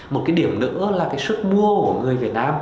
một cái điểm nữa là cái sức mua của người việt nam